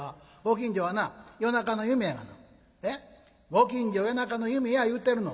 「ご近所夜中の夢や言うてるの」。